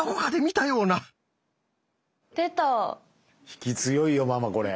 引き強いよママこれ。